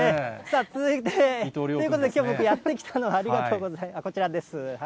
続いて、ということで、きょう、僕やって来たのは、ありがとうございます、こちらです。